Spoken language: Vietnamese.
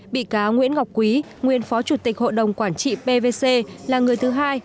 bị cáo nguyễn ngọc quý nguyên phó chủ tịch hội đồng quản trị pvc là người thứ hai